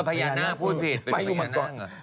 พญานาคพูดผิด